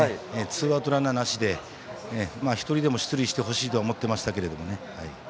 ツーアウトランナーなしで１人でも出塁してほしいとは思っていましたけどね。